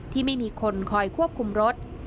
ที่ไม่มีคนคอยควบคุมรถ